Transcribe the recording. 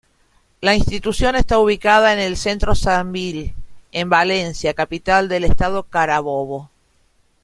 La institución está ubicada en el Centro Sambil, en Valencia, capital del estado Carabobo.